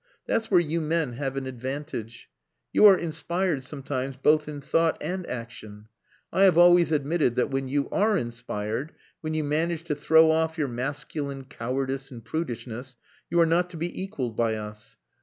That's where you men have an advantage. You are inspired sometimes both in thought and action. I have always admitted that when you are inspired, when you manage to throw off your masculine cowardice and prudishness you are not to be equalled by us.